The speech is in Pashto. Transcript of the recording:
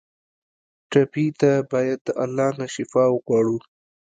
ټپي ته باید د الله نه شفا وغواړو.